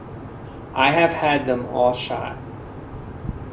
I have had them all shot.